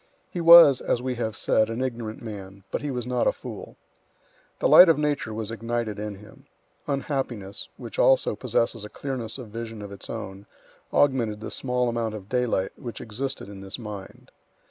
He was, as we have said, an ignorant man, but he was not a fool. The light of nature was ignited in him. Unhappiness, which also possesses a clearness of vision of its own, augmented the small amount of daylight which existed in this mind.